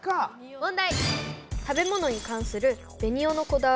問題！